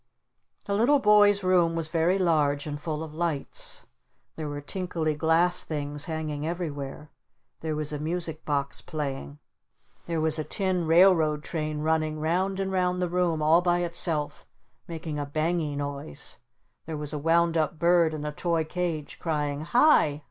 The little boy's room was very large and full of lights. There were tinkly glass things hanging everywhere. There was a music box playing. There was a tin railroad train running round and round the room all by itself making a bangy noise. There was a wound up bird in a toy cage crying "Hi!